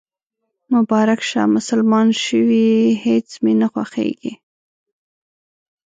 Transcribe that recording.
مبارک شه، مسلمان شوېهیڅ مې نه خوښیږي